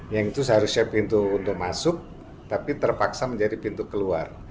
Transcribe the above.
yang itu seharusnya pintu untuk masuk tapi terpaksa menjadi pintu keluar